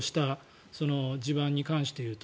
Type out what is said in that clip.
地盤に関して言うと。